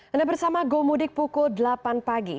anda bersama go mudik pukul delapan pagi